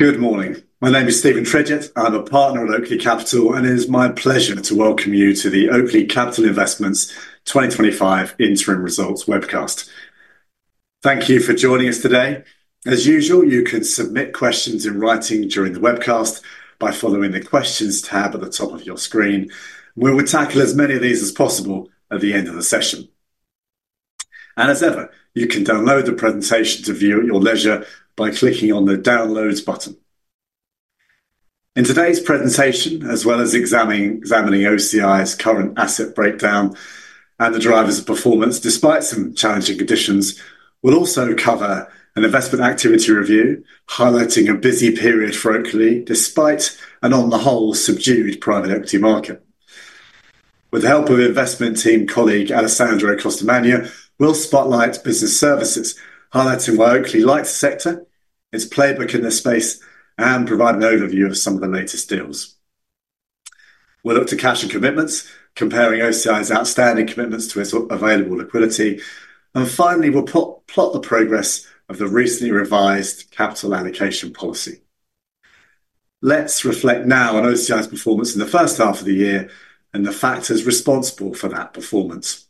Good morning. My name is Stephen Tredget. I'm a Partner at Oakley Capital, and it is my pleasure to welcome you to the Oakley Capital Investments 2025 Interim Results Webcast. Thank you for joining us today. As usual, you can submit questions in writing during the webcast by following the questions tab at the top of your screen. We will tackle as many of these as possible at the end of the session. As ever, you can download the presentation to view at your leisure by clicking on the downloads button. In today's presentation, as well as examining OCI's current asset breakdown and the drivers of performance despite some challenging conditions, we'll also cover an investment activity review highlighting a busy period for Oakley despite an on-the-whole subdued private equity market. With the help of investment team colleague Alessandro Costamante, we'll spotlight business services, highlighting why Oakley likes the sector, its playbook in this space, and provide an overview of some of the latest deals. We'll look to cash and commitments, comparing OCI's outstanding commitments to its available liquidity, and finally, we'll plot the progress of the recently revised capital allocation policy. Let's reflect now on OCI's performance in the first half of the year and the factors responsible for that performance.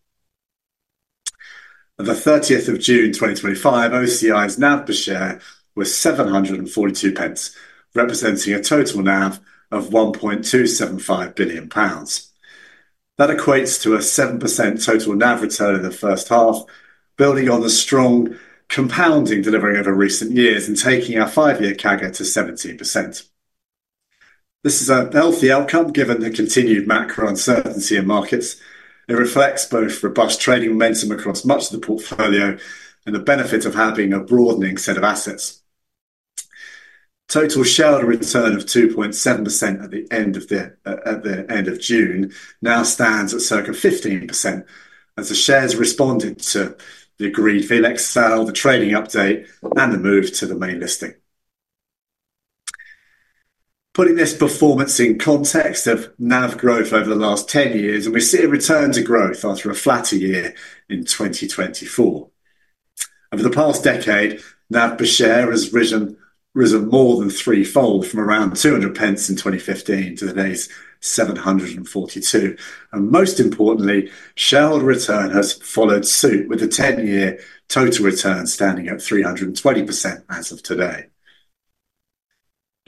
On 30th June 2025, OCI's NAV per share was 742 pence, representing a total NAV of 1.275 billion pounds. That equates to a 7% total NAV return in the first half, building on the strong compounding delivery over recent years and taking our five-year CAGR to 17%. This is a healthy outcome given the continued macro uncertainty in markets. It reflects both robust trading momentum across much of the portfolio and the benefit of having a broadening set of assets. Total shareholder return of 2.7% at the end of June now stands at circa 15% as the shares responded to the agreed VLEX sale, the trading update, and the move to the main listing. Putting this performance in context of NAV growth over the last 10 years, we see a return to growth after a flatter year in 2024. Over the past decade, NAV per share has risen more than three fold from around 200 pence in 2015 to today's 742. Most importantly, shareholder return has followed suit with a 10-year total return standing at 320% as of today.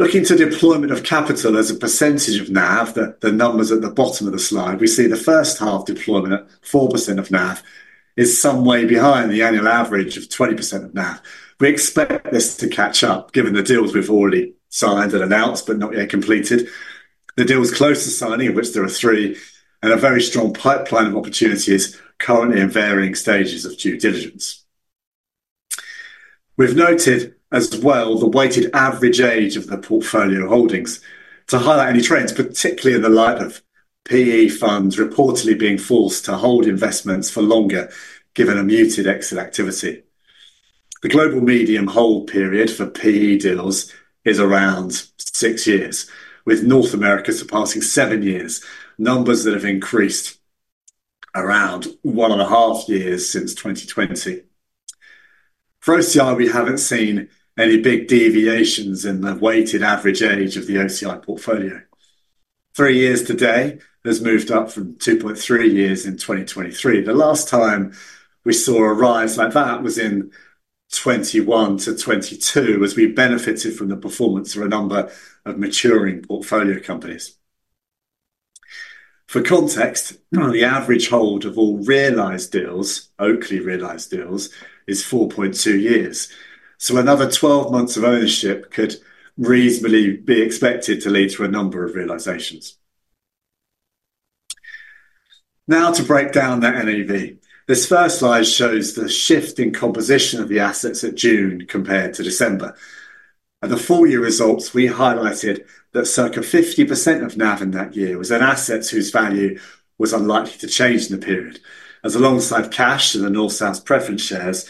Looking to deployment of capital as a percentage of NAV, the numbers at the bottom of the slide, we see the first half deployment at 4% of NAV is some way behind the annual average of 20% of NAV. We expect this to catch up given the deals we've already signed and announced but not yet completed. The deals close to signing, of which there are three, and a very strong pipeline of opportunities currently in varying stages of due diligence. We've noted as well the weighted average age of the portfolio holdings to highlight any trends, particularly in the light of PE funds reportedly being forced to hold investments for longer given a muted exit activity. The global median hold period for PE deals is around six years, with North America surpassing seven years, numbers that have increased around one and a half years since 2020. For OCI, we haven't seen any big deviations in the weighted average age of the OCI portfolio. Three years today, that's moved up from 2.3 years in 2023. The last time we saw a rise like that was in 2021-2022 as we benefited from the performance of a number of maturing portfolio companies. For context, the average hold of all realized deals, Oakley realized deals, is 4.2 years. Another 12 months of ownership could reasonably be expected to lead to a number of realizations. Now to break down that NAV. This first slide shows the shift in composition of the assets at June compared to December. At the full-year results, we highlighted that circa 50% of NAV in that year was in assets whose value was unlikely to change in the period. As alongside cash and the North South's preference shares,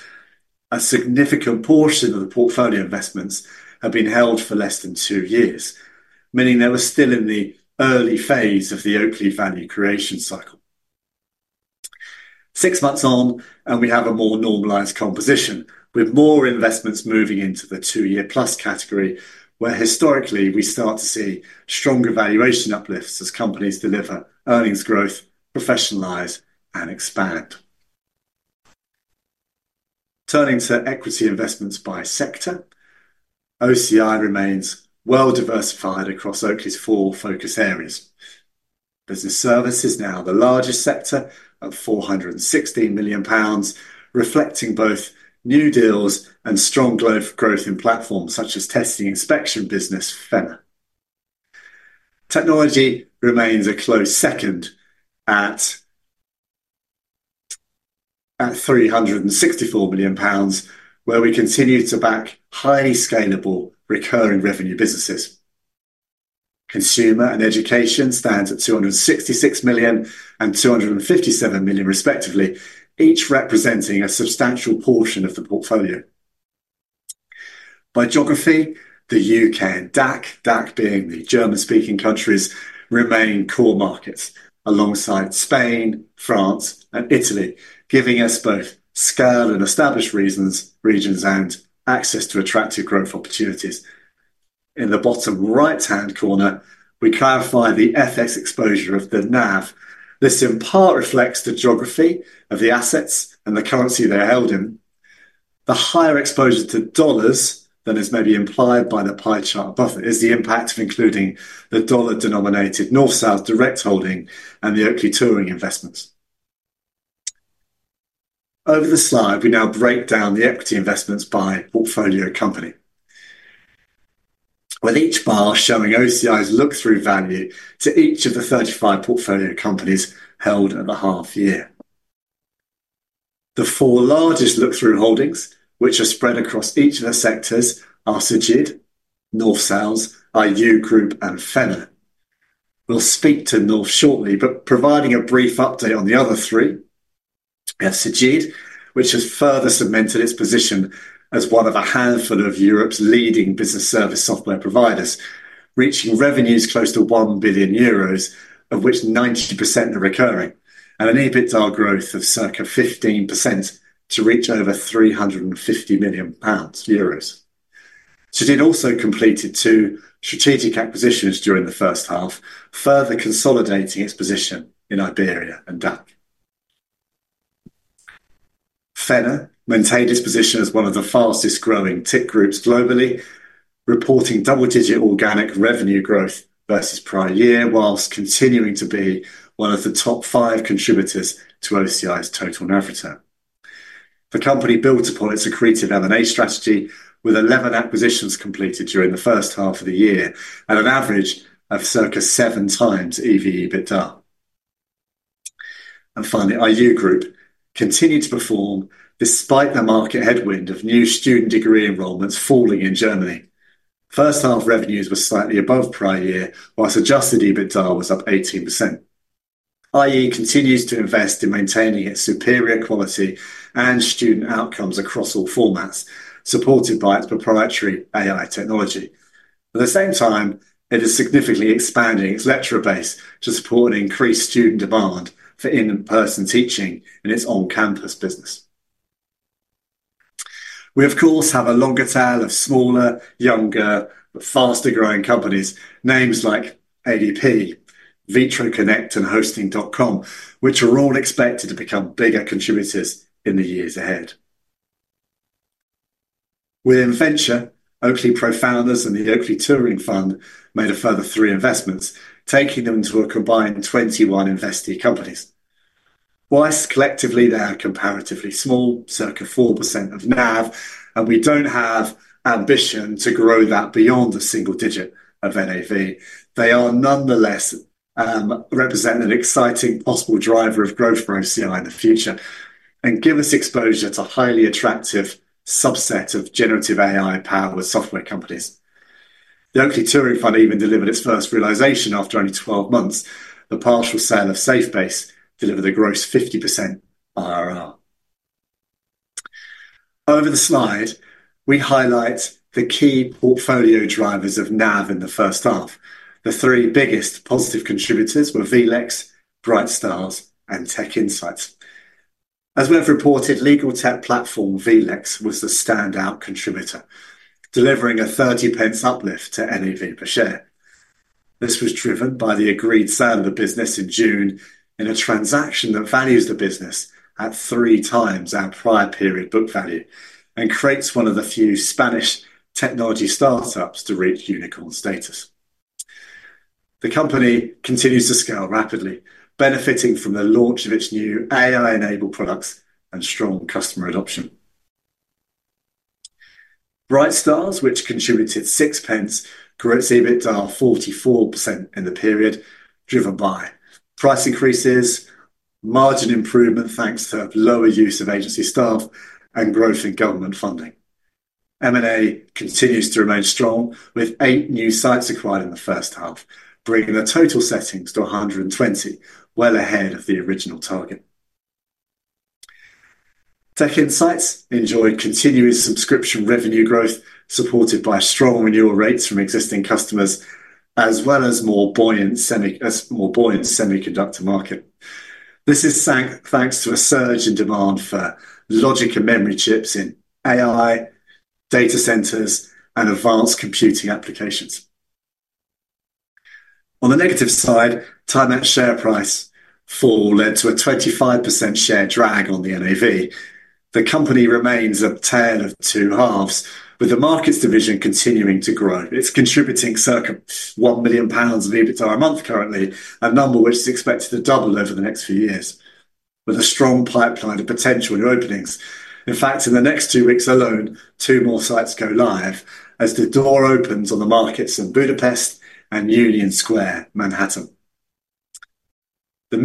a significant portion of the portfolio investments had been held for less than two years, meaning they were still in the early phase of the Oakley value creation cycle. Six months on, we have a more normalized composition with more investments moving into the two-year plus category, where historically we start to see stronger valuation uplifts as companies deliver earnings growth, professionalize, and expand. Turning to equity investments by sector, OCI remains well diversified across Oakley's four focus areas. Business service is now the largest sector at 416 million pounds, reflecting both new deals and strong growth in platforms such as testing inspection business, FENA. Technology remains a close second at 364 million pounds, where we continue to back highly scalable recurring revenue businesses. Consumer and education stands at 266 million and 257 million, respectively, each representing a substantial portion of the portfolio. By geography, the U.K. and DACH, DACH being the German-speaking countries, remain core markets alongside Spain, France, and Italy, giving us both skilled and established regions and access to attractive growth opportunities. In the bottom right-hand corner, we clarify the FX exposure of the NAV. This in part reflects the geography of the assets and the currency they're held in. The higher exposure to dollars than is maybe implied by the pie chart above it is the impact of including the dollar-denominated North South direct holding and the Oakley Capital investments. Over the slide, we now break down the equity investments by portfolio company, with each bar showing OCI's look-through value to each of the 35 portfolio companies held at the half year. The four largest look-through holdings, which are spread across each of the sectors, are Schülerhilfe, North South, IU Group, and FENA. We'll speak to North shortly, but providing a brief update on the other three, we have Schülerhilfe, which has further cemented its position as one of a handful of Europe's leading business service software providers, reaching revenues close to 1 billion euros, of which 90% are recurring, and an EBITDA growth of circa 15% to reach over EUR 350 million. Schülerhilfe also completed two strategic acquisitions during the first half, further consolidating its position in Iberia and DACH. FENA maintained its position as one of the fastest growing tech groups globally, reporting double-digit organic revenue growth versus prior year, whilst continuing to be one of the top five contributors to OCI's total NAV return. The company builds upon its accretive M&A strategy with 11 acquisitions completed during the first half of the year at an average of circa seven times EV/EBITDA. Finally, IU Group continued to perform despite the market headwind of new student degree enrollments falling in Germany. First half revenues were slightly above prior year, whilst adjusted EBITDA was up 18%. IU continues to invest in maintaining its superior quality and student outcomes across all formats, supported by its proprietary AI technology. At the same time, it is significantly expanding its lecturer base to support an increased student demand for in-person teaching in its on-campus business. We, of course, have a longer tail of smaller, younger, faster-growing companies, names like ADP, Vitron Connect, and Hosting.com, which are all expected to become bigger contributors in the years ahead. Within venture, Oakley Pro Founders and the Oakley Touring Fund made a further three investments, taking them to a combined 21 investee companies. Whilst collectively they are comparatively small, circa 4% of NAV, and we don't have ambition to grow that beyond the single digit of NAV, they are nonetheless representing an exciting possible driver of growth for OCI in the future and give us exposure to a highly attractive subset of generative AI-powered software companies. The Oakley Touring Fund even delivered its first realization after only 12 months. The partial sale of SafeBase delivered a gross 50% RRR. Over the slide, we highlight the key portfolio drivers of NAV in the first half. The three biggest positive contributors were VLEX, BrightStars, and TechInsights. As we have reported, legal tech platform VLEX was the standout contributor, delivering a 0.30 uplift to NAV per share. This was driven by the agreed sale of the business in June in a transaction that values the business at three times our prior period book value and creates one of the few Spanish technology startups to reach unicorn status. The company continues to scale rapidly, benefiting from the launch of its new AI-enabled products and strong customer adoption. BrightStars, which contributed 0.06, grew its EBITDA 44% in the period, driven by price increases, margin improvement thanks to lower use of agency staff, and growth in government funding. M&A continues to remain strong with eight new sites acquired in the first half, bringing the total settings to 120, well ahead of the original target. TechInsights enjoyed continuous subscription revenue growth, supported by strong renewal rates from existing customers, as well as a more buoyant semiconductor market. This is thanks to a surge in demand for logic and memory chips in AI, data centers, and advanced computing applications. On the negative side, Time Out net share price fall led to a 25% share drag on the NAV. The company remains a tale of two halves, with the markets division continuing to grow. It's contributing circa 1 million pounds of EBITDA a month currently, a number which is expected to double over the next few years, with a strong pipeline of potential new openings. In fact, in the next two weeks alone, two more sites go live as the door opens on the markets of Budapest and Union Square, Manhattan. The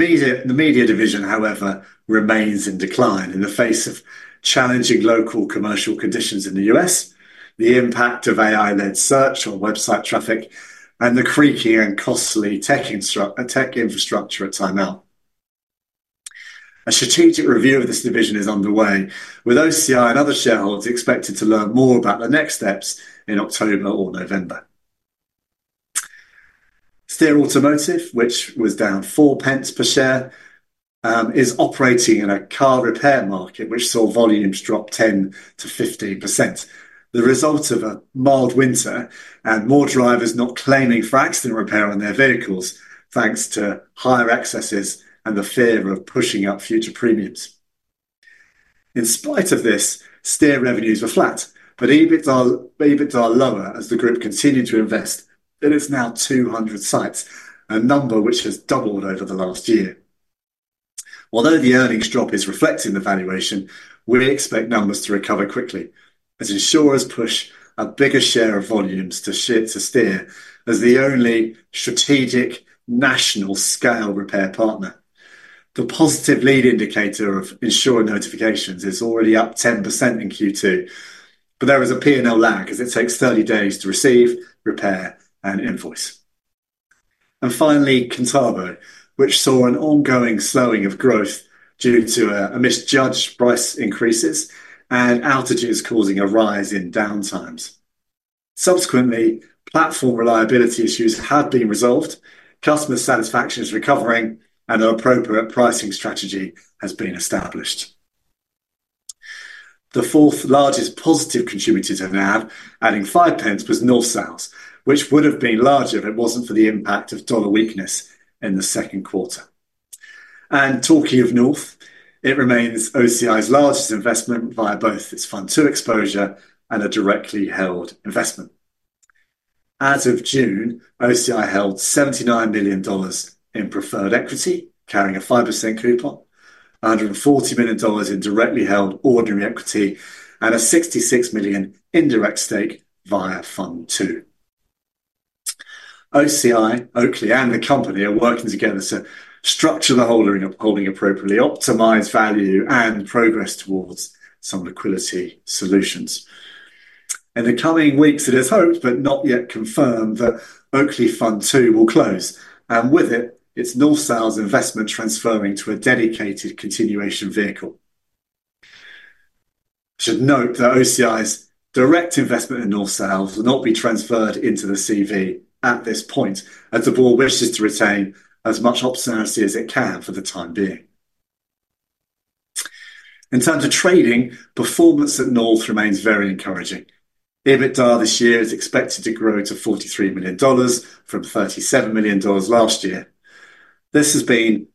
media division, however, remains in decline in the face of challenging local commercial conditions in the U.S., the impact of AI-led search on website traffic, and the creaky and costly tech infrastructure at Time Out. A strategic review of this division is underway, with OCI and other shareholders expected to learn more about the next steps in October or November. Steer Automotive, which was down 0.04 per share, is operating in a car repair market which saw volumes drop 10%-15%. The result of a mild winter and more drivers not claiming for accident repair on their vehicles thanks to higher excesses and the fear of pushing up future premiums. In spite of this, Steer revenues were flat, but EBITDA lower as the group continued to invest in its now 200 sites, a number which has doubled over the last year. Although the earnings drop is reflecting the valuation, we expect numbers to recover quickly as insurers push a bigger share of volumes to Steer as the only strategic national scale repair partner. The positive lead indicator of insurer notifications is already up 10% in Q2, but there is a P&L lag as it takes 30 days to receive, repair, and invoice. Finally, Contabo, which saw an ongoing slowing of growth due to misjudged price increases and outages causing a rise in downtimes. Subsequently, platform reliability issues have been resolved, customer satisfaction is recovering, and an appropriate pricing strategy has been established. The fourth largest positive contributor to NAV, adding 0.05, was North South, which would have been larger if it wasn't for the impact of dollar weakness in the second quarter. Talking of North, it remains OCI's largest investment via both its Fund II exposure and a directly held investment. As of June, OCI held $79 million in preferred equity, carrying a 5% coupon, $140 million in directly held ordinary equity, and a $66 million indirect stake via Fund II. OCI, Oakley, and the company are working together to structure the holding appropriately, optimize value, and progress towards some liquidity solutions. In the coming weeks, it is hoped, but not yet confirmed, that Oakley Fund II will close, and with it, its North South investment transferring to a dedicated continuation vehicle. I should note that OCI's direct investment in North South will not be transferred into the CV at this point, as the board wishes to retain as much optionality as it can for the time being. In terms of trading, performance at North remains very encouraging. EBITDA this year is expected to grow to $43 million from $37 million last year. This has been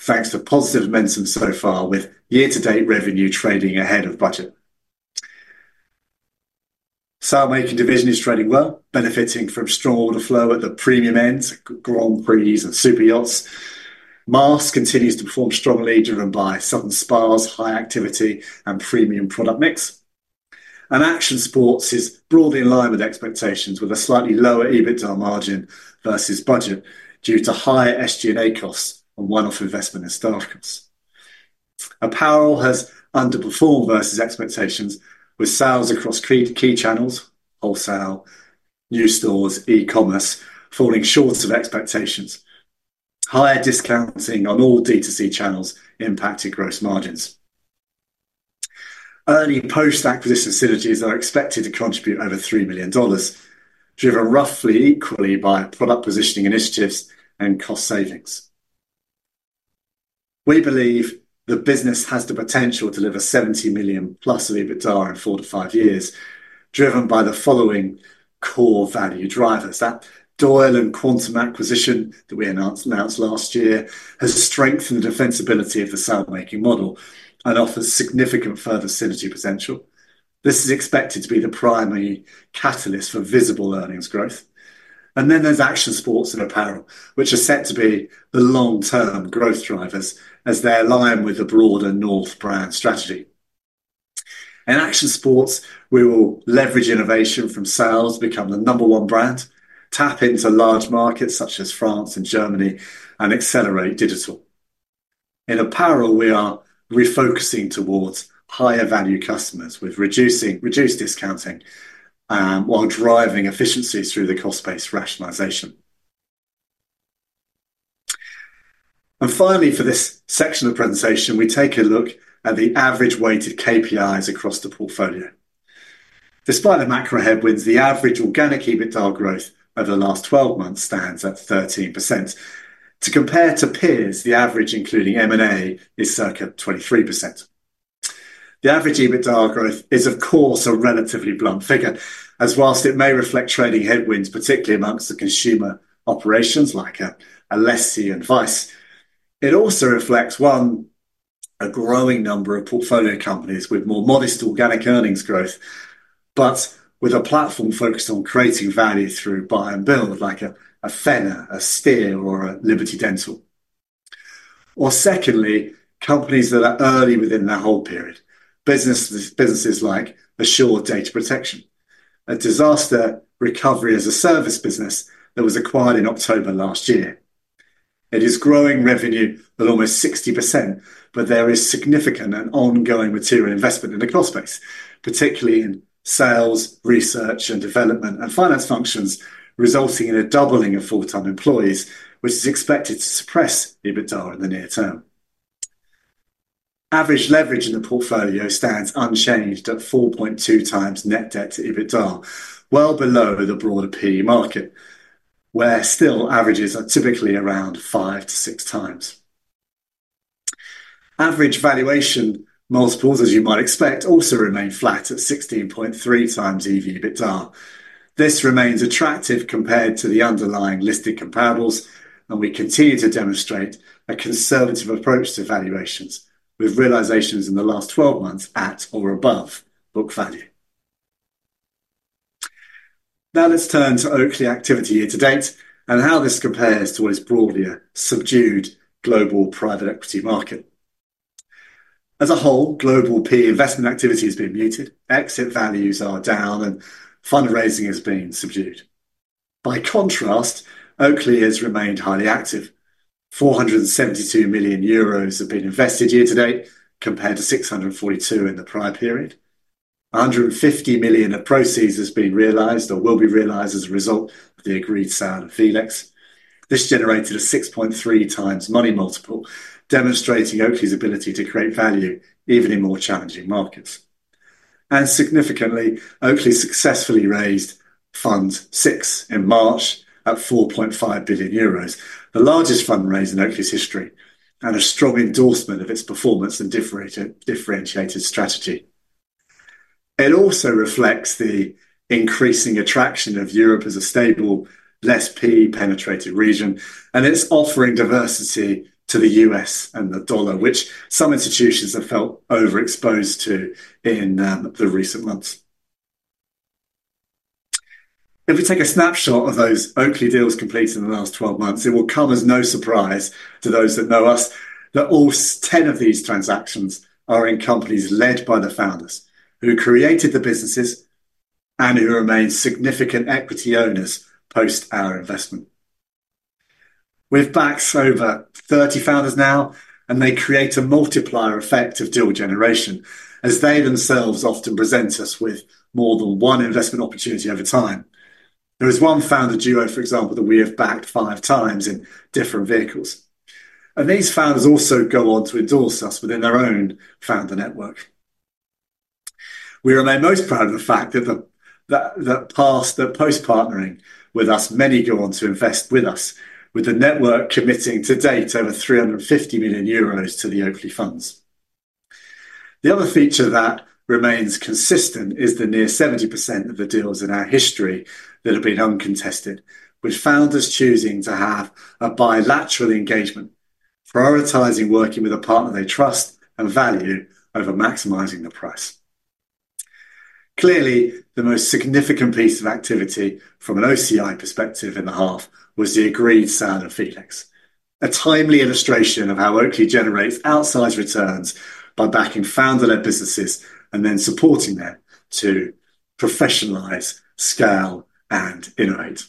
thanks for positive momentum so far, with year-to-date revenue trading ahead of budget. Some AQ division is trading well, benefiting from strong order flow at the premium ends, Grand Prix and Superyachts. Mars continues to perform strongly, driven by Southern Spa's high activity and premium product mix. Action Sports is broadly in line with expectations, with a slightly lower EBITDA margin versus budget due to higher SG&A costs and one-off investment and staff costs. Apparel has underperformed versus expectations, with sales across key channels, wholesale, new stores, and e-commerce falling short of expectations. Higher discounting on all D2C channels impacted gross margins. Early post-acquisition synergies are expected to contribute over $3 million, driven roughly equally by product positioning initiatives and cost savings. We believe the business has the potential to deliver $70 million+ of EBITDA in four to five years, driven by the following core value drivers. That Doyle and Quantum acquisition that we announced last year has strengthened the defensibility of the sale-making model and offers significant further synergy potential. This is expected to be the primary catalyst for visible earnings growth. There is Action Sports and Apparel, which are set to be the long-term growth drivers as they align with a broader North brand strategy. In Action Sports, we will leverage innovation from sales, become the number one brand, tap into large markets such as France and Germany, and accelerate digital. In Apparel, we are refocusing towards higher value customers with reduced discounting while driving efficiencies through the cost-based rationalization. Finally, for this section of the presentation, we take a look at the average weighted KPIs across the portfolio. Despite the macro headwinds, the average organic EBITDA growth over the last 12 months stands at 13%. To compare to peers, the average including M&A is circa 23%. The average EBITDA growth is, of course, a relatively blunt figure, as whilst it may reflect trading headwinds, particularly amongst the consumer operations like Alessi and Vice, it also reflects, one, a growing number of portfolio companies with more modest organic earnings growth, but with a platform focused on creating value through buy-and-build strategies, like a FENA, a Steer Automotive, or a Liberty Dental. Secondly, companies that are early within their hold period. Businesses like Assured Data Protection, a disaster recovery as a service business that was acquired in October last year. It is growing revenue at almost 60%, but there is significant and ongoing material investment in the cost base, particularly in sales, research, development, and finance functions, resulting in a doubling of full-time employees, which is expected to suppress EBITDA in the near term. Average leverage in the portfolio stands unchanged at 4.2x net debt to EBITDA, well below the broader private equity market, where averages are typically around 5x-6x. Average valuation multiples, as you might expect, also remain flat at 16.3x EV/EBITDA. This remains attractive compared to the underlying listed comparables, and we continue to demonstrate a conservative approach to valuations, with realizations in the last 12 months at or above book value. Now let's turn to Oakley Capital activity year to date and how this compares to its broader, subdued global private equity market. As a whole, global private equity investment activity has been muted, exit values are down, and fundraising has been subdued. By contrast, Oakley Capital has remained highly active. 472 million euros have been invested year to date, compared to 642 million in the prior period. 150 million of proceeds has been realized or will be realized as a result of the agreed sale of VLEX. This generated a 6.3x money multiple, demonstrating Oakley Capital's ability to create value even in more challenging markets. Significantly, Oakley Capital successfully raised Fund VI in March at 4.5 billion euros, the largest fund raise in Oakley Capital's history, and a strong endorsement of its performance and differentiated strategy. It also reflects the increasing attraction of Europe as a stable, less private equity-penetrated region, and its offering diversity to the U.S. and the dollar, which some institutions have felt overexposed to in recent months. If we take a snapshot of those Oakley deals completed in the last 12 months, it will come as no surprise to those that know us that all 10 of these transactions are in companies led by the founders who created the businesses and who remain significant equity owners post our investment. We've backed over 30 founders now, and they create a multiplier effect of deal generation as they themselves often present us with more than one investment opportunity over time. There is one founder duo, for example, that we have backed five times in different vehicles. These founders also go on to endorse us within their own founder network. We remain most proud of the fact that post-partnering with us, many go on to invest with us, with the network committing to date over 350 million euros to the Oakley funds. The other feature that remains consistent is the near 70% of the deals in our history that have been uncontested, with founders choosing to have a bilateral engagement, prioritizing working with a partner they trust and value over maximizing the price. Clearly, the most significant piece of activity from an OCI perspective in the half was the agreed sale of VLEX, a timely illustration of how Oakley generates outsized returns by backing founder-led businesses and then supporting them to professionalize, scale, and innovate.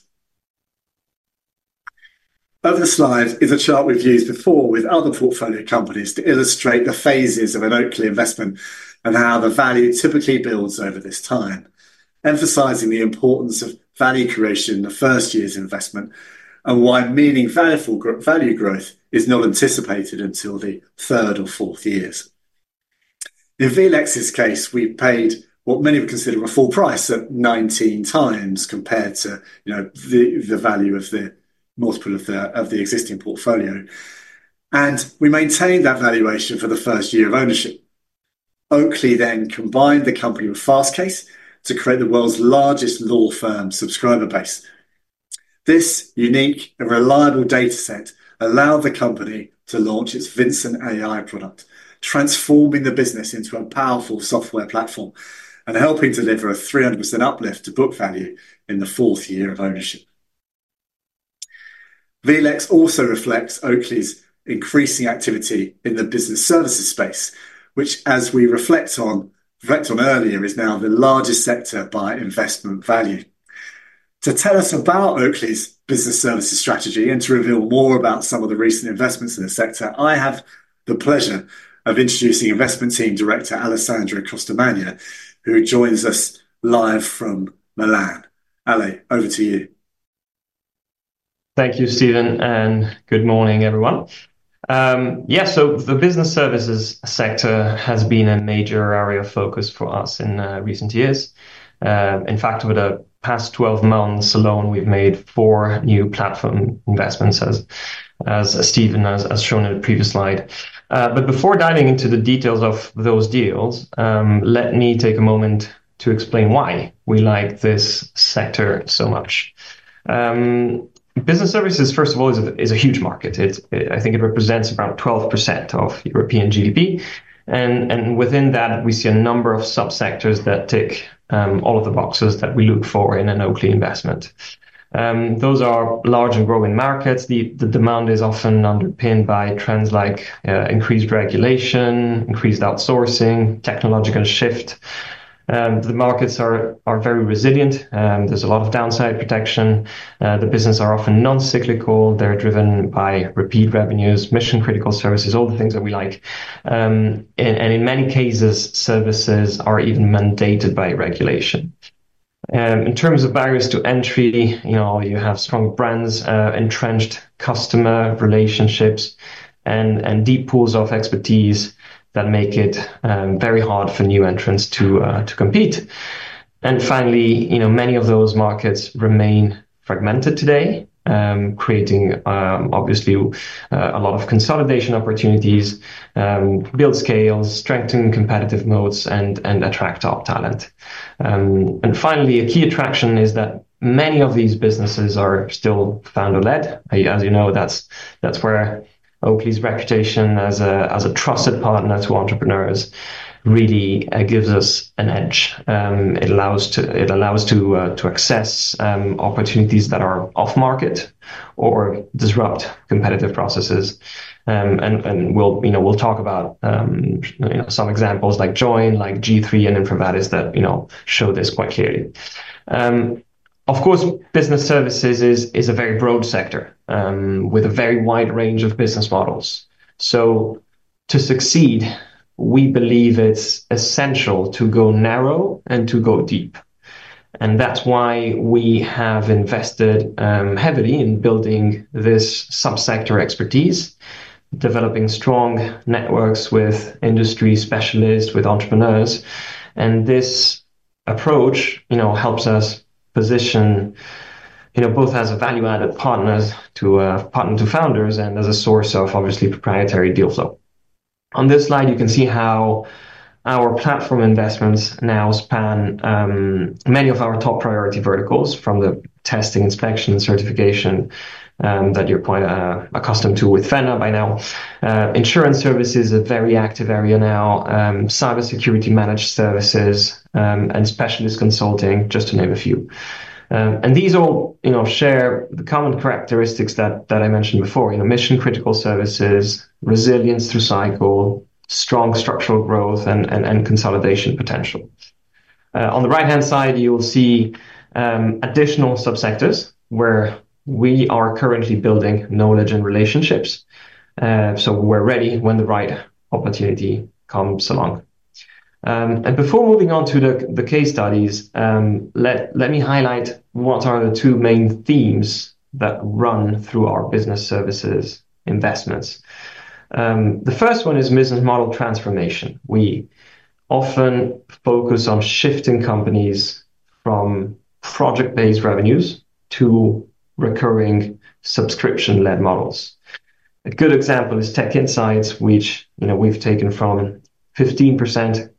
Over the slide is a chart we've used before with other portfolio companies to illustrate the phases of an Oakley investment and how the value typically builds over this time, emphasizing the importance of value creation in the first year's investment and why meaningful value growth is not anticipated until the third or fourth years. In VLEX's case, we paid what many would consider a full price at 19 times compared to the value of the multiple of the existing portfolio. We maintained that valuation for the first year of ownership. Oakley then combined the company with Fastcase to create the world's largest law firm subscriber base. This unique and reliable data set allowed the company to launch its Vincent AI product, transforming the business into a powerful software platform and helping deliver a 300% uplift to book value in the fourth year of ownership. VLEX also reflects Oakley's increasing activity in the business services space, which, as we reflect on earlier, is now the largest sector by investment value. To tell us about Oakley Capital's business services strategy and to reveal more about some of the recent investments in the sector, I have the pleasure of introducing Investment Team Director Alessandro Costamante, who joins us live from Milan. Ale, over to you. Thank you, Stephen, and good morning, everyone. The business services sector has been a major area of focus for us in recent years. In fact, over the past 12 months alone, we've made four new platform investments, as Stephen has shown in the previous slide. Before diving into the details of those deals, let me take a moment to explain why we like this sector so much. Business services, first of all, is a huge market. I think it represents about 12% of European GDP. Within that, we see a number of subsectors that tick all of the boxes that we look for in an Oakley investment. Those are large and growing markets. The demand is often underpinned by trends like increased regulation, increased outsourcing, technological shift. The markets are very resilient. There's a lot of downside protection. The businesses are often non-cyclical. They're driven by repeat revenues, mission-critical services, all the things that we like. In many cases, services are even mandated by regulation. In terms of barriers to entry, you have strong brands, entrenched customer relationships, and deep pools of expertise that make it very hard for new entrants to compete. Finally, many of those markets remain fragmented today, creating obviously a lot of consolidation opportunities, build scales, strengthen competitive moats, and attract top talent. A key attraction is that many of these businesses are still founder-led. As you know, that's where Oakley's reputation as a trusted partner to entrepreneurs really gives us an edge. It allows us to access opportunities that are off-market or disrupt competitive processes. We'll talk about some examples like Join Business Management Consulting, like G3, and InfoVadis that show this quite clearly. Of course, business services is a very broad sector with a very wide range of business models. To succeed, we believe it's essential to go narrow and to go deep. That's why we have invested heavily in building this subsector expertise, developing strong networks with industry specialists, with entrepreneurs. This approach helps us position both as a value-added partner to founders and as a source of obviously proprietary deal flow. On this slide, you can see how our platform investments now span many of our top priority verticals from the testing, inspection, certification that you're quite accustomed to with FENA by now. Insurance services is a very active area now, cybersecurity managed services, and specialist consulting, just to name a few. These all share the common characteristics that I mentioned before: mission-critical services, resilience to cycle, strong structural growth, and consolidation potential. On the right-hand side, you'll see additional subsectors where we are currently building knowledge and relationships. We're ready when the right opportunity comes along. Before moving on to the case studies, let me highlight what are the two main themes that run through our business services investments. The first one is business model transformation. We often focus on shifting companies from project-based revenues to recurring subscription-led models. A good example is TechInsights, which we've taken from 15%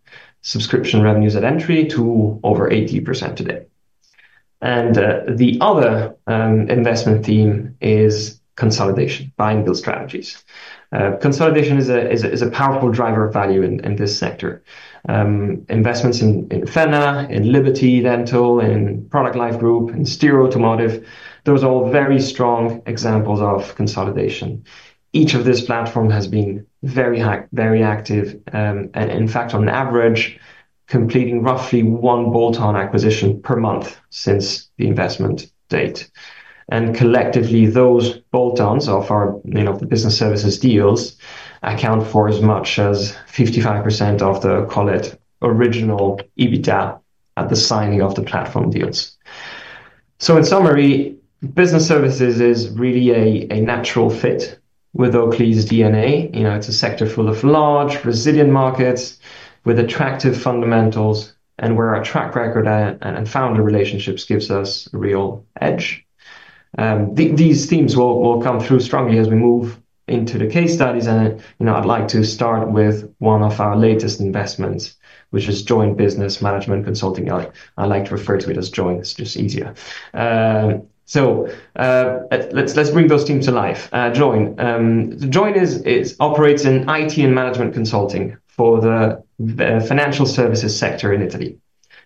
subscription revenues at entry to over 80% today. The other investment theme is consolidation, buy and build strategies. Consolidation is a powerful driver of value in this sector. Investments in FENA, in Liberty Dental, in Product Life Group, and Steer Automotive, those are all very strong examples of consolidation. Each of these platforms has been very active, in fact, on average, completing roughly one bolt-on acquisition per month since the investment date. Collectively, those bolt-ons of our business services deals account for as much as 55% of the, call it, original EBITDA at the signing of the platform deals. In summary, business services is really a natural fit with Oakley's DNA. It's a sector full of large resilient markets with attractive fundamentals, and where our track record and founder relationships give us a real edge. These themes will come through strongly as we move into the case studies, and I'd like to start with one of our latest investments, which is Join Business Management Consulting. I like to refer to it as Join. It's just easier. Let's bring those teams to life. Join operates in IT and management consulting for the financial services sector in Italy.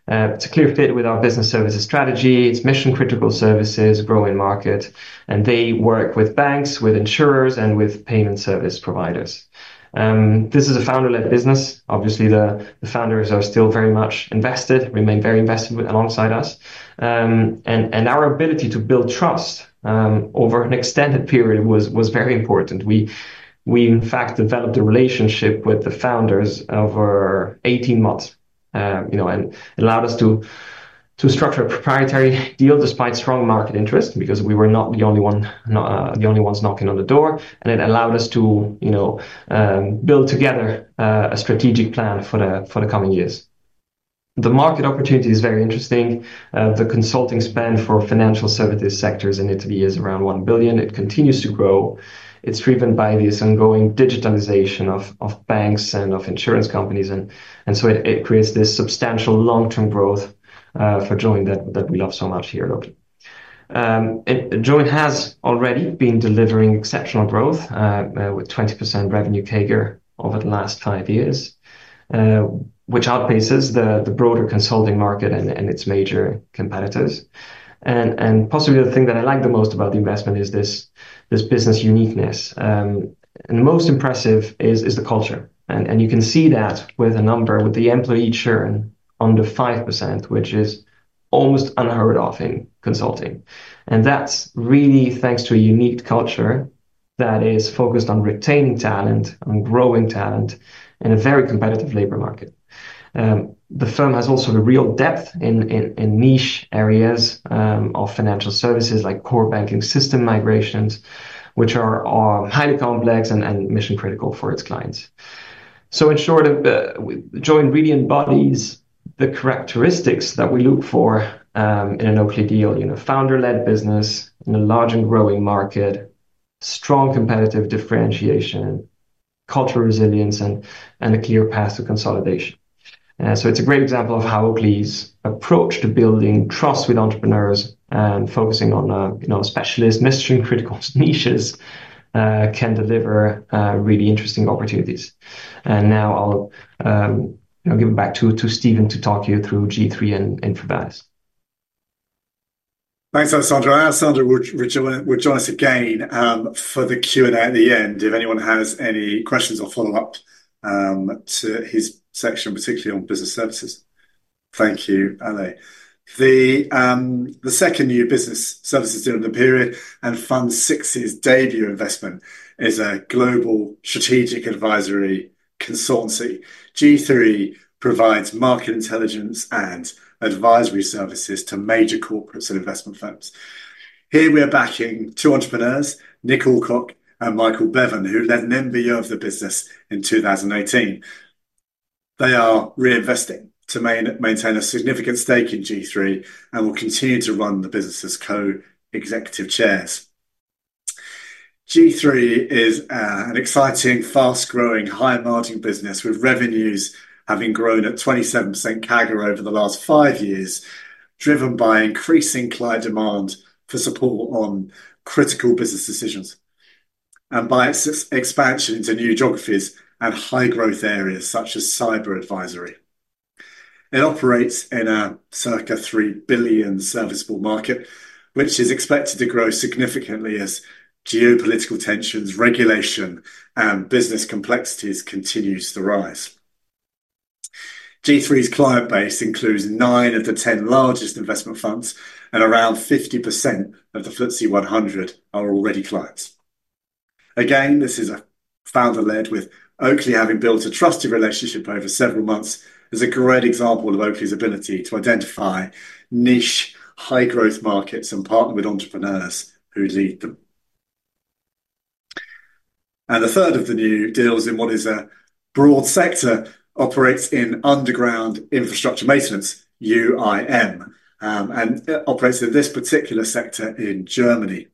It's a clear fit with our business services strategy. It's mission-critical services, growing market, and they work with banks, with insurers, and with payment service providers. This is a founder-led business. Obviously, the founders are still very much invested, remain very invested alongside us. Our ability to build trust over an extended period was very important. We, in fact, developed a relationship with the founders over 18 months, and it allowed us to structure a proprietary deal despite strong market interest because we were not the only ones knocking on the door. It allowed us to build together a strategic plan for the coming years. The market opportunity is very interesting. The consulting spend for financial services sectors in Italy is around 1 billion. It continues to grow. It's driven by this ongoing digitalization of banks and of insurance companies. It creates this substantial long-term growth for Join that we love so much here at Oakley. Join has already been delivering exceptional growth with 20% revenue CAGR over the last five years, which outpaces the broader consulting market and its major competitors. Possibly the thing that I like the most about the investment is this business uniqueness. The most impressive is the culture. You can see that with a number, with the employee churn under 5%, which is almost unheard of in consulting. That's really thanks to a unique culture that is focused on retaining talent, on growing talent in a very competitive labor market. The firm has also a real depth in niche areas of financial services like core banking system migrations, which are highly complex and mission-critical for its clients. In short, Join really embodies the characteristics that we look for in an Oakley deal: a founder-led business in a large and growing market, strong competitive differentiation, cultural resilience, and a clear path to consolidation. It's a great example of how Oakley's approach to building trust with entrepreneurs and focusing on specialist mission-critical niches can deliver really interesting opportunities. Now I'll give it back to Stephen Tredgett to talk you through G3 and InfoVadis. Thanks, Alessandro. Alessandro will join us again for the Q&A at the end if anyone has any questions or follow-up to his section, particularly on business services. Thank you, Ale. The second new business services deal in the period and Fund VI's debut investment is a global strategic advisory consultancy. G3 provides market intelligence and advisory services to major corporates and investment firms. Here we are backing two entrepreneurs, Nicole Koch and Michael Bevan, who led an MBO of the business in 2018. They are reinvesting to maintain a significant stake in G3 and will continue to run the business as Co-Executive Chairs. G3 is an exciting, fast-growing, high-margin business with revenues having grown at 27% CAGR over the last five years, driven by increasing client demand for support on critical business decisions and by its expansion to new geographies and high-growth areas such as cyber advisory. It operates in a circa 3 billion serviceable market, which is expected to grow significantly as geopolitical tensions, regulation, and business complexities continue to rise. G3's client base includes nine of the 10 largest investment funds, and around 50% of the FTSE 100 are already clients. This is a founder-led business, with Oakley having built a trusted relationship over several months. It's a great example of Oakley's ability to identify niche, high-growth markets and partner with entrepreneurs who lead them. A third of the new deals in what is a broad sector operates in underground infrastructure maintenance, UIM, and operates in this particular sector in Germany.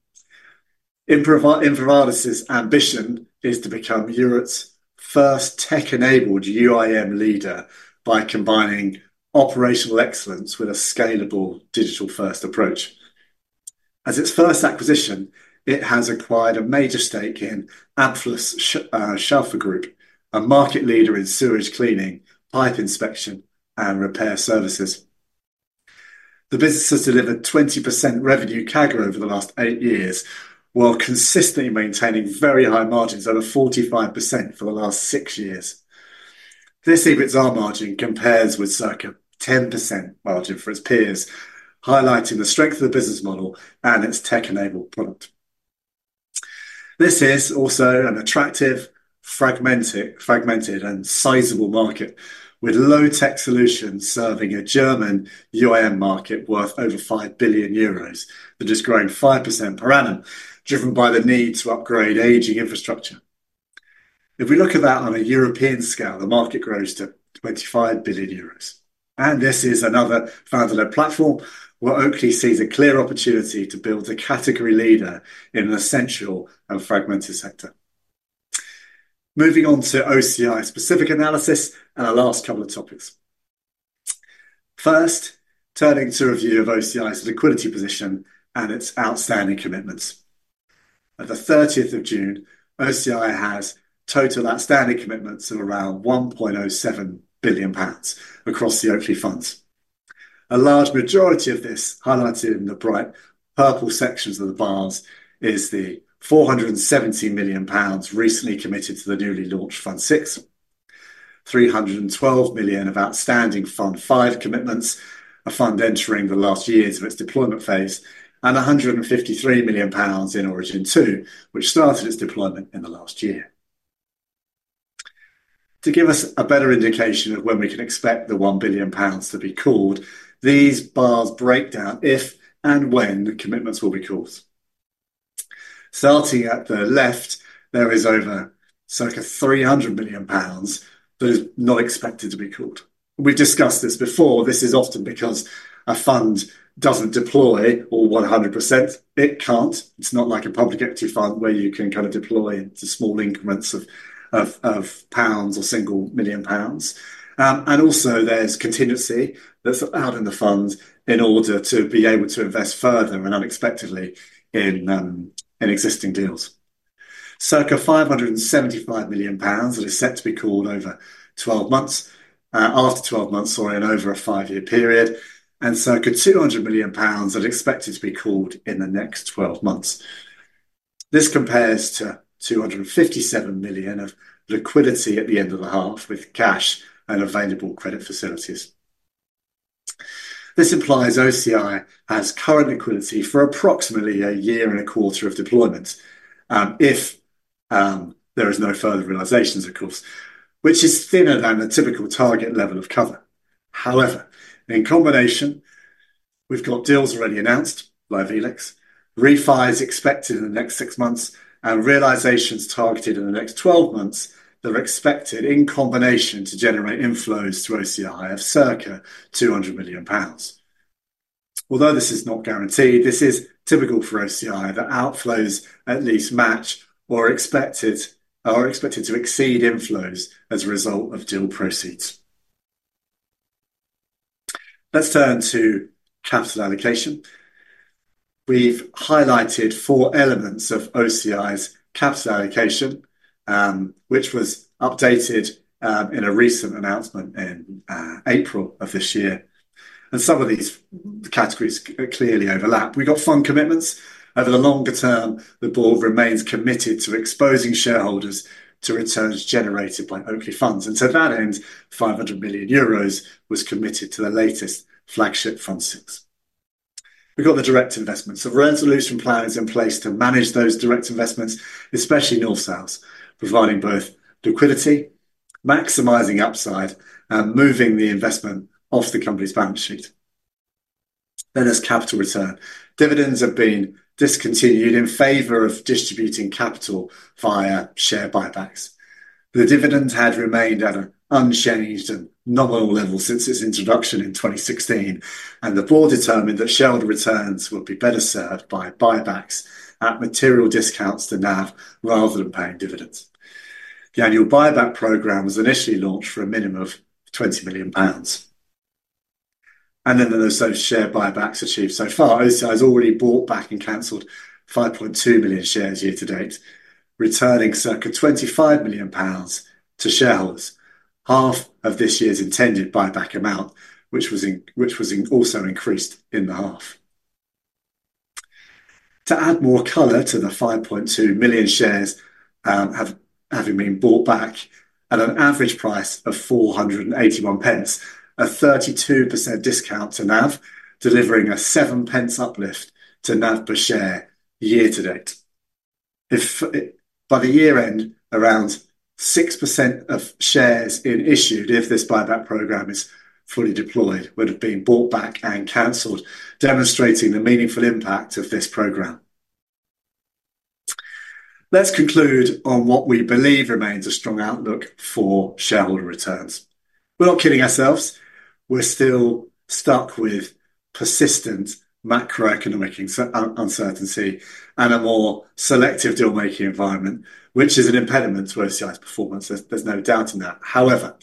InfoVadis's ambition is to become Europe's first tech-enabled UIM leader by combining operational excellence with a scalable, digital-first approach. As its first acquisition, it has acquired a major stake in Amplus Schaffer Group, a market leader in sewage cleaning, pipe inspection, and repair services. The business has delivered 20% revenue CAGR over the last eight years, while consistently maintaining very high margins over 45% for the last six years. This EBITDA margin compares with circa 10% margin for its peers, highlighting the strength of the business model and its tech-enabled product. This is also an attractive, fragmented, and sizable market with low-tech solutions serving a German UIM market worth over €5 billion that is growing 5% per annum, driven by the need to upgrade aging infrastructure. If we look at that on a European scale, the market grows to 25 billion euros. This is another founder-led platform where Oakley sees a clear opportunity to build a category leader in an essential and fragmented sector. Moving on to OCI's specific analysis and our last couple of topics. First, turning to a view of OCI's liquidity position and its outstanding commitments. At the 30th of June, OCI has total outstanding commitments of around 1.07 billion pounds across the Oakley funds. A large majority of this, highlighted in the bright purple sections of the bars, is the 417 million pounds recently committed to the newly launched Fund VI, 312 million of outstanding Fund V commitments, a fund entering the last years of its deployment phase, and 153 million pounds in Origin II, which started its deployment in the last year. To give us a better indication of when we can expect the 1 billion pounds to be called, these bars break down if and when the commitments will be called. Starting at the left, there is over circa 300 million pounds that is not expected to be called. We discussed this before. This is often because a fund doesn't deploy all 100%. It can't. It's not like a public equity fund where you can kind of deploy into small increments of pounds or single million pounds. Also, there's contingency that's allowed in the fund in order to be able to invest further and unexpectedly in existing deals. Circa 575 million pounds that is set to be called over 12 months, after 12 months, or in over a five-year period, and circa 200 million pounds that is expected to be called in the next 12 months. This compares to 257 million of liquidity at the end of the half with cash and available credit facilities. This implies OCI has current liquidity for approximately a year and a quarter of deployment, if there are no further realizations, of course, which is thinner than the typical target level of cover. However, in combination, we've got deals already announced by VLEX, refi expected in the next six months, and realizations targeted in the next 12 months that are expected in combination to generate inflows to OCI of circa 200 million pounds. Although this is not guaranteed, this is typical for OCI that outflows at least match or are expected to exceed inflows as a result of deal proceeds. Let's turn to capital allocation. We've highlighted four elements of OCI's capital allocation, which was updated in a recent announcement in April of this year. Some of these categories clearly overlap. We've got fund commitments. Over the longer term, the board remains committed to exposing shareholders to returns generated by Oakley funds. To that end, 500 million euros was committed to the latest flagship Fund VI. We've got the direct investments, so resolution plans in place to manage those direct investments, especially North South's, providing both liquidity, maximizing upside, and moving the investment off the company's balance sheet. There is capital return. Dividends have been discontinued in favor of distributing capital via share buybacks. The dividend had remained at an unchanged and nominal level since its introduction in 2016, and the board determined that shareholder returns would be better served by buybacks at material discounts to NAV rather than paying dividends. The annual buyback program was initially launched for a minimum of 20 million pounds. There are those share buybacks achieved so far. OCI has already bought back and canceled 5.2 million shares year to date, returning circa 25 million pounds to shareholders, half of this year's intended buyback amount, which was also increased in the half. To add more color to the 5.2 million shares having been bought back at an average price of 481 pence, a 32% discount to NAV, delivering a 7 pence uplift to NAV per share year to date. By the year end, around 6% of shares in issue if this buyback program is fully deployed would have been bought back and cancelled, demonstrating the meaningful impact of this program. Let's conclude on what we believe remains a strong outlook for shareholder returns. We're not kidding ourselves. We're still stuck with persistent macroeconomic uncertainty and a more selective deal making environment, which is an impediment to OCI's performance. There's no doubt in that. However,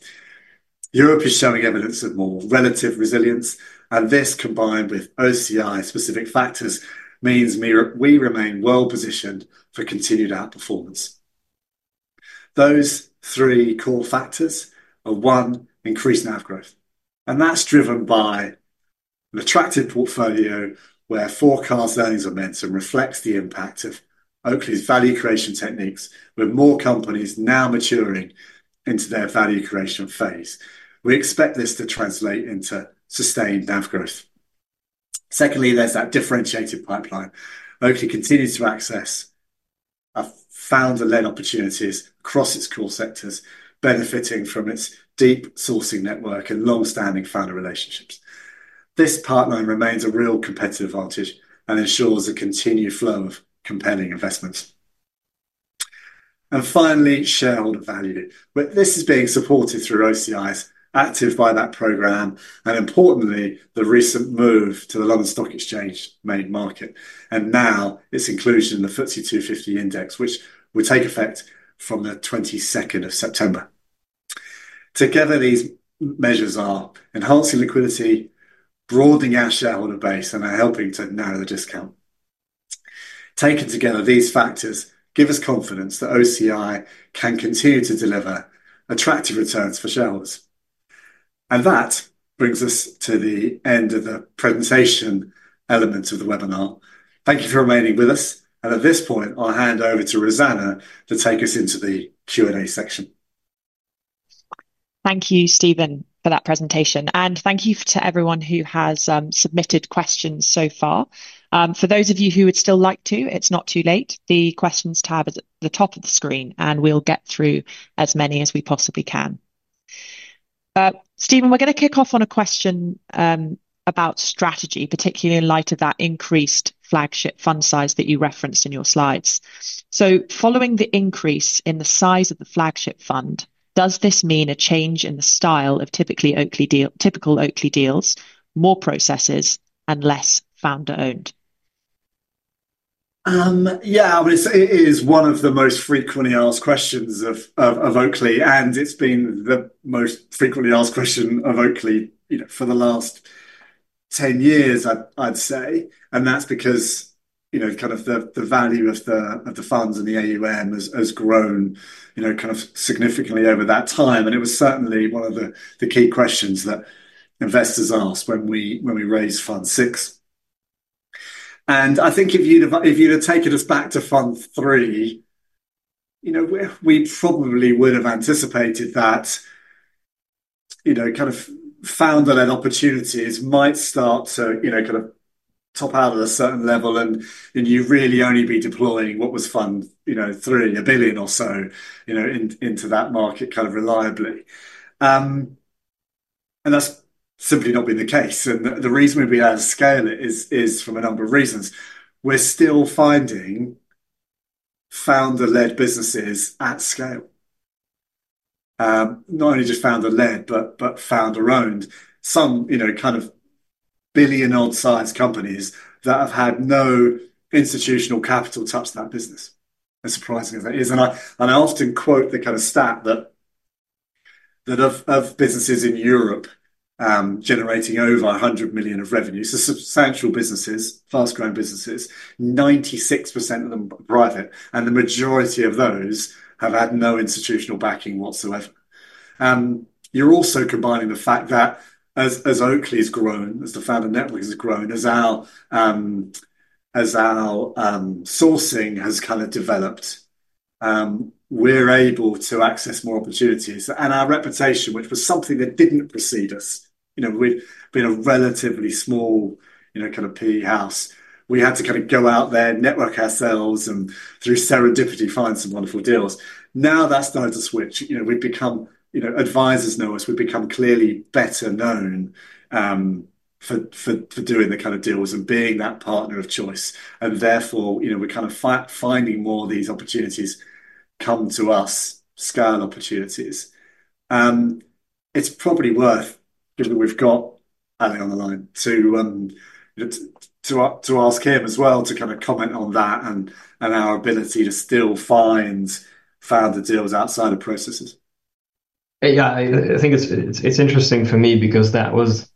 Europe is showing evidence of more relative resilience, and this combined with OCI-specific factors means we remain well-positioned for continued outperformance. Those three core factors are: one, increased NAV growth. That's driven by an attractive portfolio where forecast earnings are meant to reflect the impact of Oakley's value creation techniques, with more companies now maturing into their value creation phase. We expect this to translate into sustained NAV growth. Secondly, there's that differentiated pipeline. Oakley continues to access founder-led opportunities across its core sectors, benefiting from its deep sourcing network and longstanding founder relationships. This pipeline remains a real competitive advantage and ensures a continued flow of compelling investments. Finally, shareholder value is being supported through OCI's active buyback program and, importantly, the recent move to the London Stock Exchange main market. Now its inclusion in the FTSE 250 index will take effect from the 22nd of September. Together, these measures are enhancing liquidity, broadening our shareholder base, and are helping to narrow the discount. Taken together, these factors give us confidence that OCI can continue to deliver attractive returns for shareholders. That brings us to the end of the presentation element of the webinar. Thank you for remaining with us. At this point, I'll hand over to Rosanna to take us into the Q&A section. Thank you, Stephen, for that presentation. Thank you to everyone who has submitted questions so far. For those of you who would still like to, it's not too late. The questions tab is at the top of the screen, and we'll get through as many as we possibly can. Stephen, we're going to kick off on a question about strategy, particularly in light of that increased flagship fund size that you referenced in your slides. Following the increase in the size of the flagship fund, does this mean a change in the style of typical Oakley deals, more processes, and less founder-owned? Yeah, I mean, it is one of the most frequently asked questions of Oakley, and it's been the most frequently asked question of Oakley for the last 10 years, I'd say. That's because the value of the funds and the AUM has grown significantly over that time. It was certainly one of the key questions that investors asked when we raised Fund VI. I think if you'd have taken us back to Fund III, you know we probably would have anticipated that founder-led opportunities might start to top out at a certain level, and you'd really only be deploying what was Fund III, $1 billion or so, into that market reliably. That's simply not been the case. The reason we've been able to scale it is from a number of reasons. We're still finding founder-led businesses at scale, not only just founder-led, but founder-owned. Some billion-sized companies that have had no institutional capital touch that business. As surprising as that is, I often quote the stat that of businesses in Europe generating over 100 million of revenue, so substantial businesses, fast-growing businesses, 96% of them are private, and the majority of those have had no institutional backing whatsoever. You're also combining the fact that as Oakley's grown, as the founder network has grown, as our sourcing has developed, we're able to access more opportunities. Our reputation, which was something that didn't precede us, you know, we'd been a relatively small PE house, we had to go out there, network ourselves, and through serendipity find some wonderful deals. Now that's started to switch. Advisors know us. We've become clearly better known for doing the kind of deals and being that partner of choice. Therefore, we're finding more of these opportunities come to us, scale opportunities. It's probably worth, given that we've got Ale on the line, to ask him as well to comment on that and our ability to still find founder deals outside of processes. Yeah, I think it's interesting for me because that was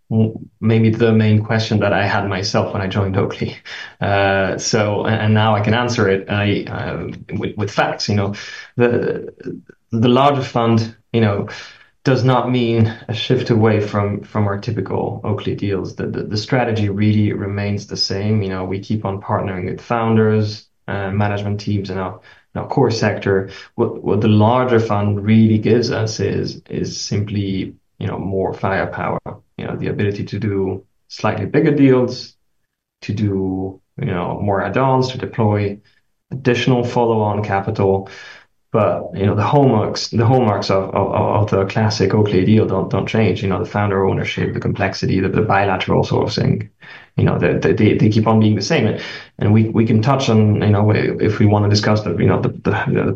maybe the main question that I had myself when I joined Oakley. Now I can answer it with facts. You know, the larger fund does not mean a shift away from our typical Oakley deals. The strategy really remains the same. We keep on partnering with founders and management teams in our core sector. What the larger fund really gives us is simply more firepower, the ability to do slightly bigger deals, to do more add-ons, to deploy additional follow-on capital. The hallmarks of the classic Oakley deal don't change. The founder ownership, the complexity, the bilateral sourcing, they keep on being the same. We can touch on, if we want to discuss, the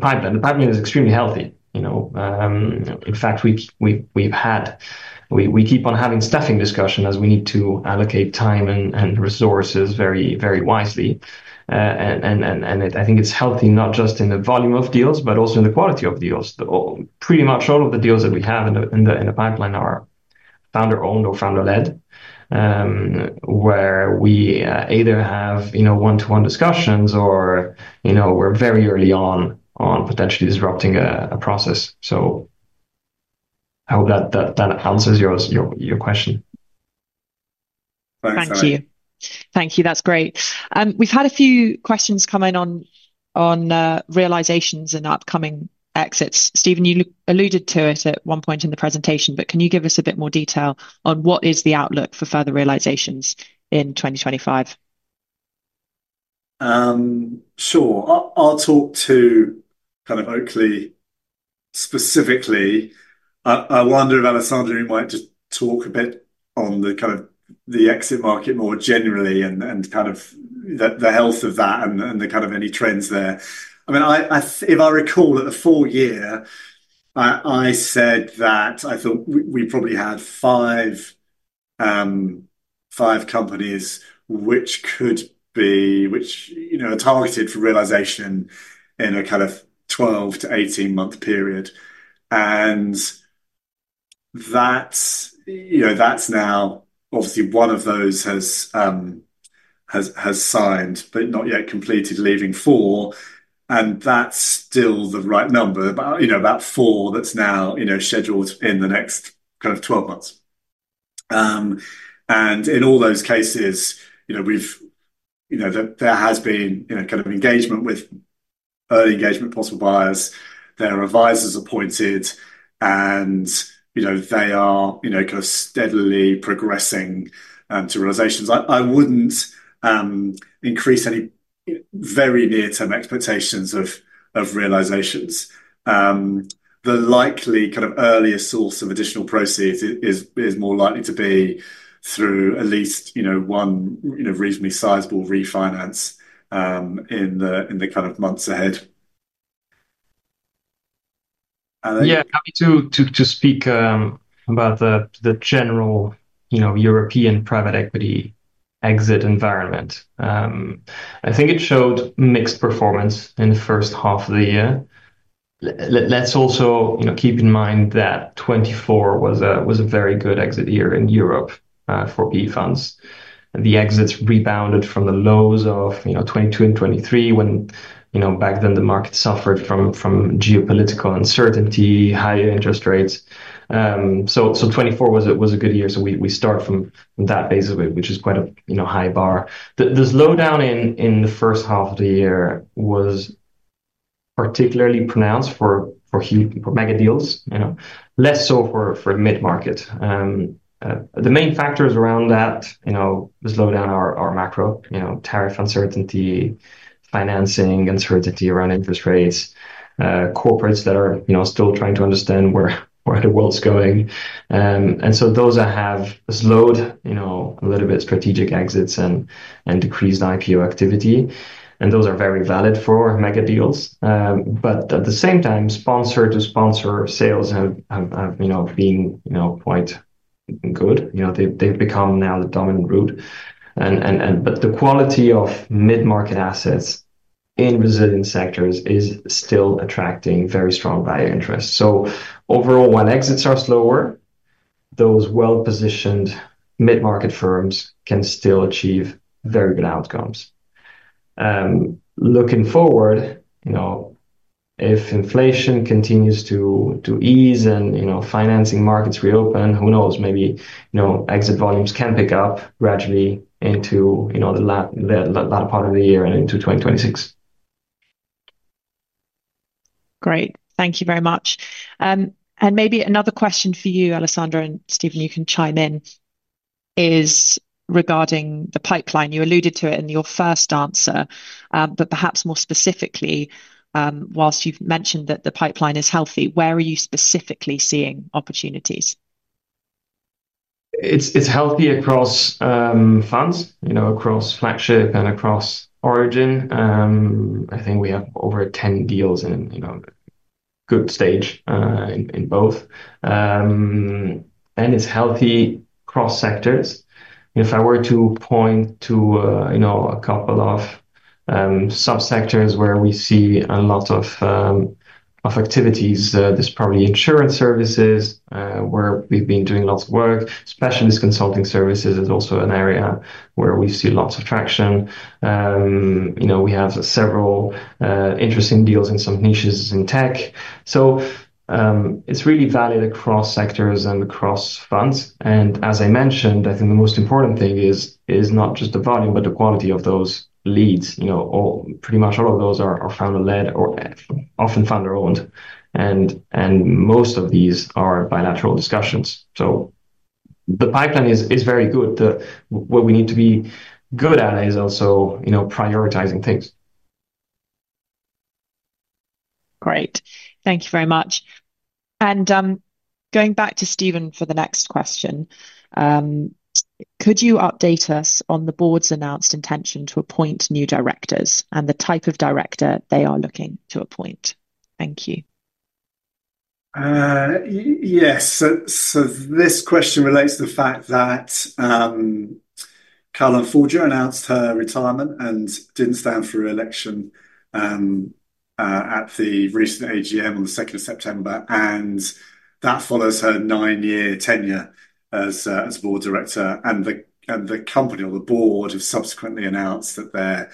pipeline. The pipeline is extremely healthy. In fact, we keep on having staffing discussions as we need to allocate time and resources very, very wisely. I think it's healthy not just in the volume of deals, but also in the quality of deals. Pretty much all of the deals that we have in the pipeline are founder-owned or founder-led, where we either have one-to-one discussions or we're very early on on potentially disrupting a process. I hope that that answers your question. Thank you. Thank you. That's great. We've had a few questions come in on realizations and upcoming exits. Stephen, you alluded to it at one point in the presentation, but can you give us a bit more detail on what is the outlook for further realizations in 2025? Sure. I'll talk to kind of Oakley specifically. I wonder if Alessandro might talk a bit on the kind of the exit market more generally and the health of that and any trends there. I mean, if I recall at the full year, I said that I thought we probably had five companies which could be, which are targeted for realization in a 12 month-18-month period. That's now obviously one of those has signed, but not yet completed, leaving four. That's still the right number, about four that's now scheduled in the next 12 months. In all those cases, there has been engagement with early engagement, possible buyers. Their advisors are appointed, and they are steadily progressing to realizations. I wouldn't increase any very near-term expectations of realizations. The likely earliest source of additional proceeds is more likely to be through at least one reasonably sizable refinance in the months ahead. Yeah, happy to speak about the general, you know, European private equity exit environment. I think it showed mixed performance in the first half of the year. Let's also, you know, keep in mind that 2024 was a very good exit year in Europe for PE funds. The exits rebounded from the lows of 2022 and 2023 when, you know, back then the market suffered from geopolitical uncertainty, higher interest rates. 2024 was a good year. We start from that basis, which is quite a high bar. The slowdown in the first half of the year was particularly pronounced for mega deals, you know, less so for mid-market. The main factors around that, you know, the slowdown are macro, you know, tariff uncertainty, financing uncertainty around interest rates, corporates that are, you know, still trying to understand where the world's going. Those that have slowed a little bit are strategic exits and decreased IPO activity, and those are very valid for mega deals. At the same time, sponsor-to-sponsor sales have been quite good. They've become now the dominant route. The quality of mid-market assets in resilient sectors is still attracting very strong buyer interest. Overall, when exits are slower, those well-positioned mid-market firms can still achieve very good outcomes. Looking forward, you know, if inflation continues to ease and financing markets reopen, who knows, maybe exit volumes can pick up gradually into the latter part of the year and into 2026. Great. Thank you very much. Maybe another question for you, Alessandro, and Stephen, you can chime in, is regarding the pipeline. You alluded to it in your first answer, but perhaps more specifically, whilst you've mentioned that the pipeline is healthy, where are you specifically seeing opportunities? It's healthy across funds, across flagship and across Origin. I think we have over 10 deals in good stage in both. It's healthy across sectors. If I were to point to a couple of subsectors where we see a lot of activities, there's probably insurance services where we've been doing lots of work. Specialist consulting services is also an area where we see lots of traction. We have several interesting deals in some niches in tech. It's really valid across sectors and across funds. As I mentioned, I think the most important thing is not just the volume, but the quality of those leads. Pretty much all of those are founder-led or often founder-owned, and most of these are bilateral discussions. The pipeline is very good. What we need to be good at is also prioritizing things. Great. Thank you very much. Going back to Stephen for the next question, could you update us on the board's announced intention to appoint new directors and the type of director they are looking to appoint? Thank you. Yes. This question relates to the fact that Caroline Forger announced her retirement and didn't stand for reelection at the recent AGM on the 2nd of September. That follows her nine-year tenure as Board Director. The company or the Board has subsequently announced that there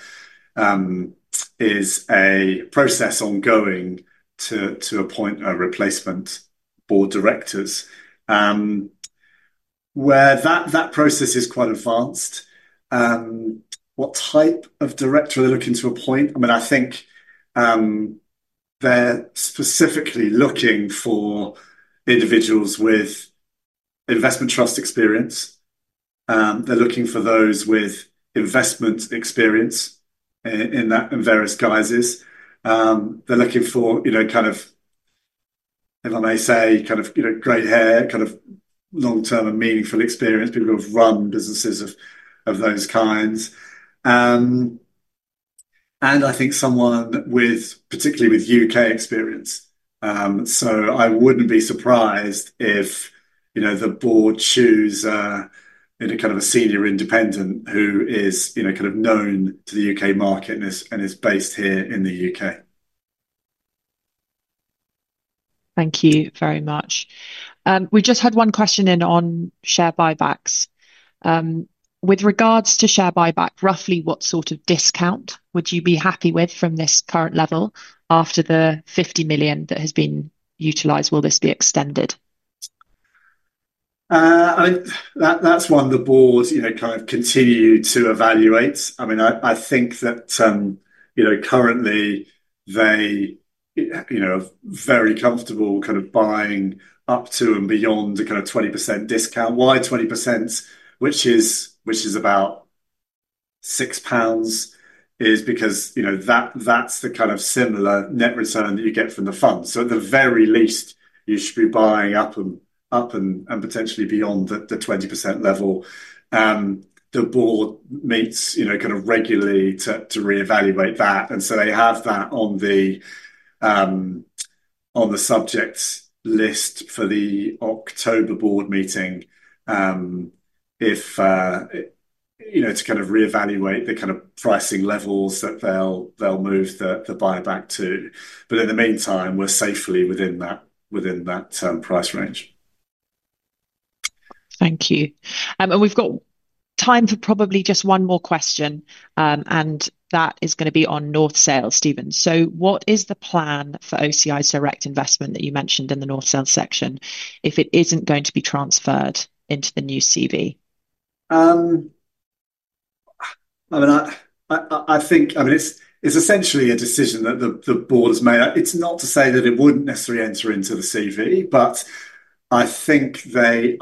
is a process ongoing to appoint a replacement Board of Directors, where that process is quite advanced. What type of director are they looking to appoint? I think they're specifically looking for individuals with investment trust experience. They're looking for those with investment experience in various guises. They're looking for, if I may say, kind of, you know, grey hair, long-term and meaningful experience. People who have run businesses of those kinds. I think someone with, particularly with UK experience. I wouldn't be surprised if the Board chooses a kind of a Senior Independent who is known to the U.K. market and is based here in the U.K. Thank you very much. We just had one question in on share buybacks. With regards to share buyback, roughly what sort of discount would you be happy with from this current level after the $50 million that has been utilized? Will this be extended? That's one the boards continue to evaluate. I mean, I think that currently they are very comfortable buying up to and beyond the 20% discount. Why 20%, which is about £6, is because that's the similar net return that you get from the fund. So at the very least, you should be buying up and up and potentially beyond the 20% level. The board meets regularly to reevaluate that. They have that on the subject list for the October board meeting to reevaluate the pricing levels that they'll move the buyback to. In the meantime, we're safely within that term price range. Thank you. We've got time for probably just one more question, and that is going to be on North South, Stephen. What is the plan for OCI's direct investment that you mentioned in the North South section if it isn't going to be transferred into the new CV? I think it's essentially a decision that the board has made. It's not to say that it wouldn't necessarily enter into the CV, but I think they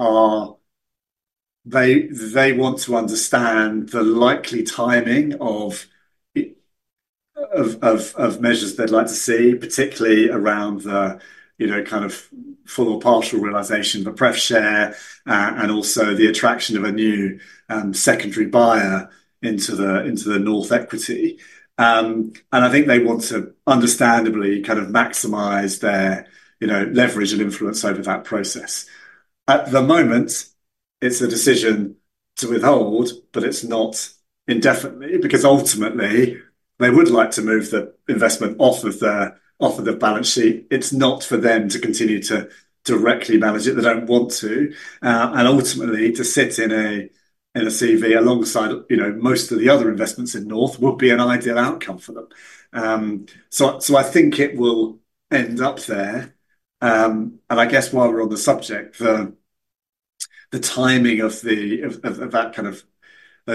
want to understand the likely timing of measures they'd like to see, particularly around the full or partial realization of the Pref share and also the attraction of a new secondary buyer into the North equity. I think they want to understandably maximize their leverage and influence over that process. At the moment, it's a decision to withhold, but it's not indefinitely because ultimately they would like to move the investment off of the balance sheet. It's not for them to continue to directly manage it. They don't want to. Ultimately, to sit in a CV alongside most of the other investments in North would be an ideal outcome for them. I think it will end up there. While we're on the subject, the timing of those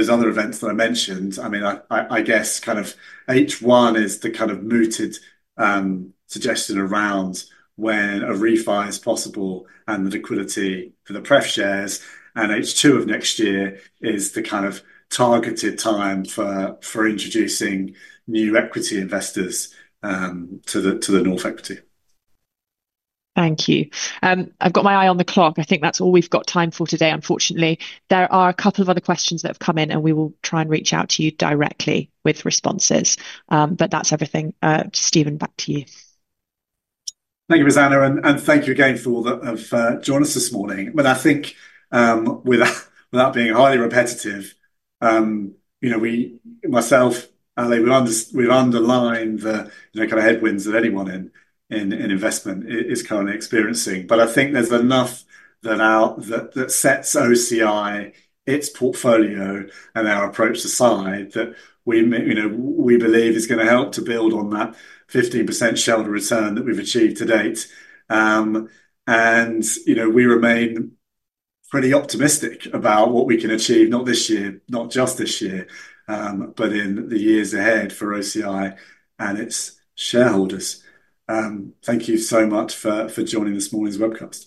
other events that I mentioned, I guess H1 is the mooted suggestion around when a refi is possible and the liquidity for the Pref shares. H2 of next year is the targeted time for introducing new equity investors to the North equity. Thank you. I've got my eye on the clock. I think that's all we've got time for today, unfortunately. There are a couple of other questions that have come in, and we will try and reach out to you directly with responses. That's everything. Stephen, back to you. Thank you, Rosanna, and thank you again for all that have joined us this morning. I think, without being highly repetitive, we, myself, Ale, have underlined the kind of headwinds that anyone in investment is currently experiencing. I think there's enough out there that sets OCI, its portfolio, and our approach aside that we believe is going to help to build on that 15% shareholder return that we've achieved to date. We remain pretty optimistic about what we can achieve, not just this year, but in the years ahead for OCI and its shareholders. Thank you so much for joining this morning's webcast.